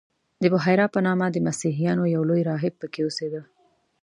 د بحیرا په نامه د مسیحیانو یو لوی راهب په کې اوسېده.